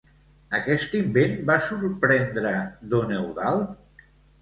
Aquest invent va sorprendre don Eudald?